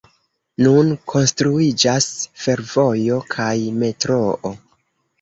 Nun konstruiĝas fervojo kaj metroo.